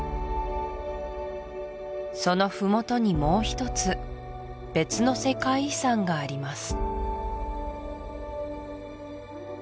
そのふもとにもう一つ別の世界遺産があります